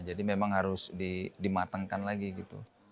jadi memang harus dimatangkan lagi gitu